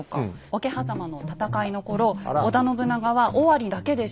桶狭間の戦いの頃織田信長は尾張だけでした。